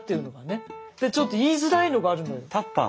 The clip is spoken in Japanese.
でちょっと言いづらいのがあるのよ。